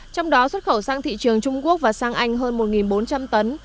trong đó xuất khẩu sang thị trường trung quốc và sang anh hơn một bốn trăm linh tấn